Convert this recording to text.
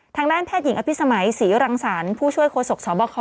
ทางด้านแพทย์หญิงอภิษมัยศรีรังสรรค์ผู้ช่วยโฆษกสบค